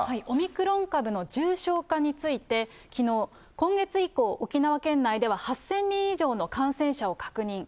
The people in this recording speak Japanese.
オミクロン株の重症化について、きのう、今月以降、沖縄県内では８０００人以上の感染者を確認。